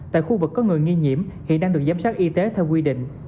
tại khu vực có người nghi nhiễm hiện đang được giám sát y tế theo quy định